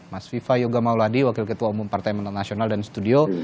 mas viva yoga mauladi wakil ketua umum partai mana nasional dan studio